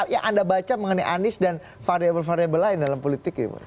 yang anda baca mengenai anies dan variable variable lain dalam politik